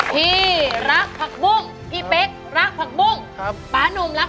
ทุกคนดีรักผักบุ้งไหมรัก